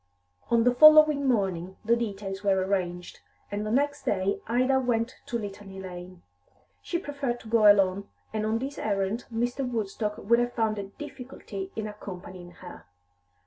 On the following morning the details were arranged, and the next day Ida went to Litany Lane. She preferred to go alone, and on this errand Mr. Woodstock would have found a difficulty in accompanying her.